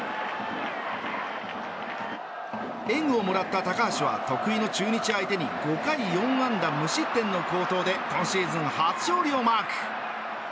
援護をもらった高橋は得意の中日相手に５回４安打、無失点の好投で今シーズン初勝利をマーク。